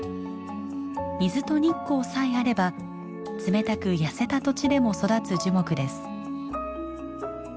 水と日光さえあれば冷たく痩せた土地でも育つ樹木です。